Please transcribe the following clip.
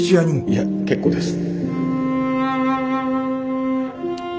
いえ結構です。